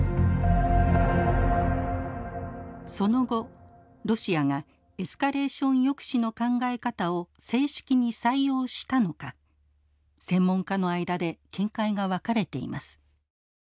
その後ロシアがエスカレーション抑止の考え方を正式に採用したのか専門家の間で見解が分かれています。